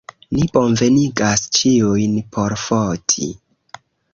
Ni bonvenigas ĉiujn por foti.